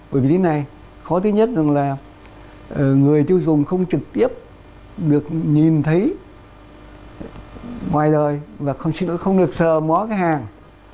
bởi vì thế này khó thứ nhất rằng là người tiêu dùng không trực tiếp được nhìn thấy ngoài đời và không được sờ mó cái hàng